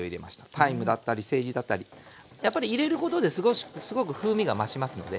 タイムだったりセージだったりやっぱり入れることですごく風味が増しますので。